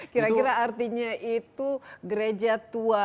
kira kira artinya itu gereja tua